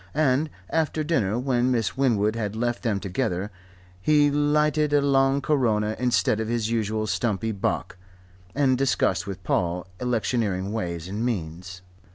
And after dinner, when Miss Winwood had left them together, he lighted a long Corona instead of his usual stumpy Bock, and discussed with Paul electioneering ways and means.